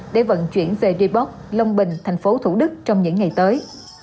để vận chuyển về duy bóc long bình thành phố thủ đức trong những ngày tới